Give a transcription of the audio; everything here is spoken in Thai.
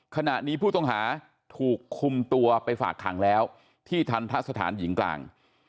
ขณะนี้ผู้ต้องหาถูกคุมตัวไปฝากขังแล้วที่ทันทะสถานหญิงกลาง